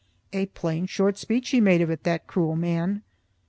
A plain, short speech he made of it, that cruel man.